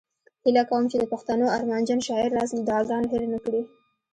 هیله کوم چې د پښتنو ارمانجن شاعر راز له دعاګانو هیر نه کړي